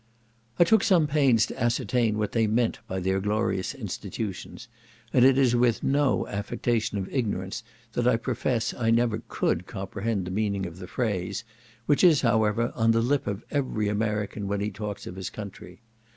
I took some pains to ascertain what they meant by their glorious institutions, and it is with no affectation of ignorance that I profess I never could comprehend the meaning of the phrase, which is, however, on the lip of every American, when he talks of his country.